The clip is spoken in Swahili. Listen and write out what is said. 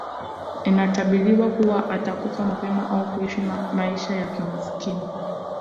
Inatabiriwa kuwa atakufa mapema au kuishi maisha ya kimasikini